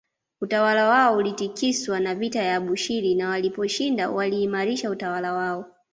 Utawala wao ulitikiswa na vita ya Abushiri na waliposhinda waliimaarisha utawala wao